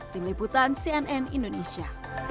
tim liputan cnn indonesia